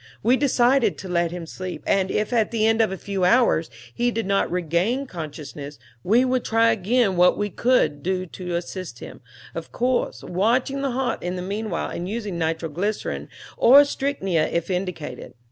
We decided to let him sleep; and if, at the end of a few hours, he did not regain consciousness, we would try again what we could do to assist him, of course watching the heart in the meanwhile and using nitro glycerin or strychnia if indicated.